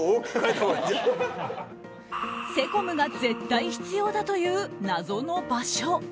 セコムが絶対必要だという謎の場所。